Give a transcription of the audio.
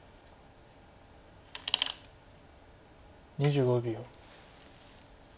２５秒。